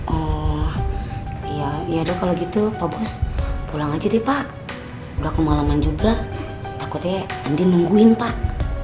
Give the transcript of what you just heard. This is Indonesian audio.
eh ya yaudah kalau gitu pak bos pulang aja deh pak udah kemalaman juga takutnya andi nungguin pak